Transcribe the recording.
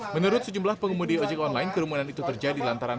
menurut sejumlah pengemudi ojek online kerumunan itu terjadi lantaran